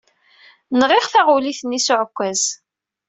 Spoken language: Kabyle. Nɣiɣ taɣulit-nni s uɛekkaz.